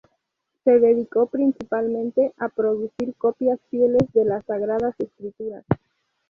Se dedicó principalmente a producir copias fieles de las Sagradas Escrituras.